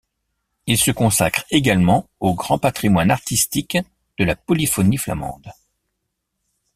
Il se consacre également au grand patrimoine artistique de la polyphonie flamande.